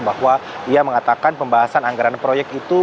bahwa ia mengatakan pembahasan anggaran proyek itu